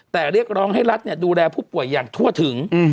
แต่เรียกร้องให้รัฐดูแลผู้ป่วยอย่างทั่วถึง